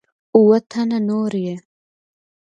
اووه تنه نور یې